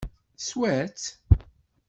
Teswa-tt?